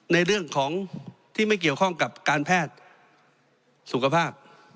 ในเรื่องของที่ไม่เกี่ยวข้องกับการแพทย์สุขภาพ